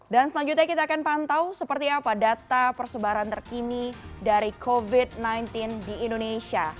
dan selanjutnya kita akan pantau seperti apa data persebaran terkini dari covid sembilan belas di indonesia